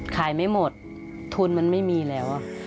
ไม่หมดทุนมันไม่มีแล้ว